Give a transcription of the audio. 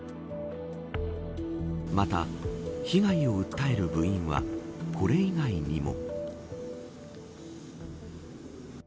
また、被害を訴える部員はこれ以外にも。